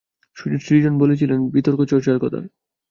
সৃজন বলছিলেন বিতর্ক চর্চার কথা।